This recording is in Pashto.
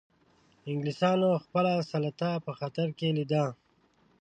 انګلیسانو خپله سلطه په خطر کې لیده.